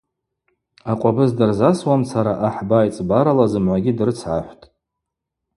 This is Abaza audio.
Акъвабыз дырзасуамцара ахӏба-айцӏбарала зымгӏвагьи дрыцгӏахӏвтӏ.